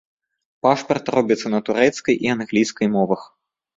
Пашпарт робіцца на турэцкай і англійскай мовах.